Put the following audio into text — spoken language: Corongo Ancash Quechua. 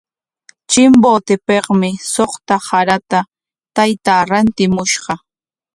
Chimbotepikmi suqta hakata taytaa rantimushqa.